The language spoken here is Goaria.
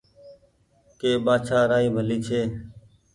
ڪي بآڇآ رآئي ڀلي ڇي